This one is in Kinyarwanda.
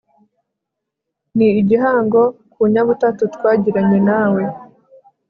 ni igihango ku nyabutatu twagiranye nawe